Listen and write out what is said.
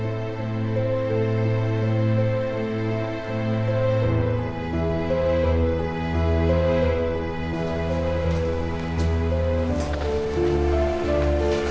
mungkin sudah mendapat duit ya aku